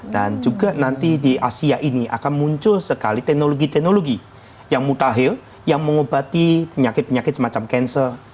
dan juga nanti di asia ini akan muncul sekali teknologi teknologi yang mutakhir yang mengobati penyakit penyakit semacam cancer